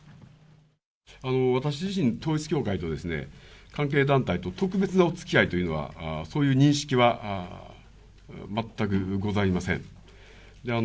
私自身、統一教会と関係団体と特別なおつきあいというのは、そういう認識は全くございません。